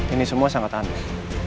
ini semua sangat aneh